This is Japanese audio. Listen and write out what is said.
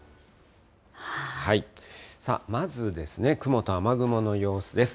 まずですね、雲と雨雲の様子です。